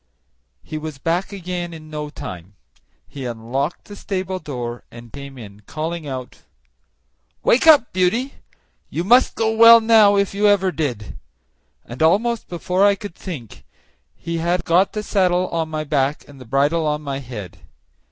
He was back again in no time; he unlocked the stable door, and came in, calling out, "Wake up, Beauty! You must go well now, if ever you did;" and almost before I could think he had got the saddle on my back and the bridle on my head.